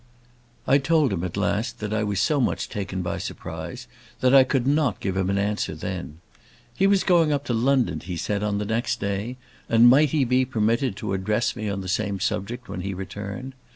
I told him, at last, that I was so much taken by surprise that I could not give him an answer then. He was going up to London, he said, on the next day, and might he be permitted to address me on the same subject when he returned?